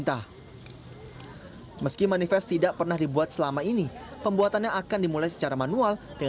sampai di atas dibeser orang semua tidak ada lagi orang